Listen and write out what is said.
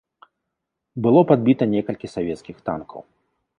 Было падбіта некалькі савецкіх танкаў.